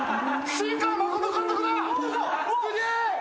新海誠監督。